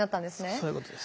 そういうことです。